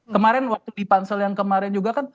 kemarin waktu di pansel yang kemarin juga kan